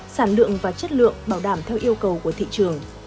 sản lượng và chất lượng bảo đảm theo yêu cầu của thị trường